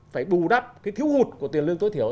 phải bù đắp cái thiếu hụt của tiền lương tối thiểu